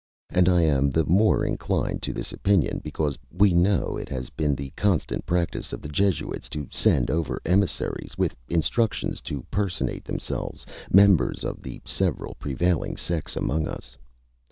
And I am the more inclined to this opinion because we know it has been the constant practice of the Jesuits to send over emissaries, with instructions to personate themselves members of the several prevailing sects amongst us.